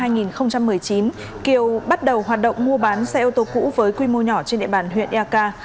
năm hai nghìn một mươi chín kiều bắt đầu hoạt động mua bán xe ô tô cũ với quy mô nhỏ trên địa bàn huyện eak